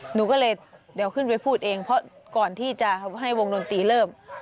หนูก็เลยเดี๋ยวขึ้นไปพูดเองเพราะก่อนที่จะให้วงดนตรีเริ่ม